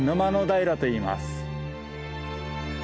平といいます。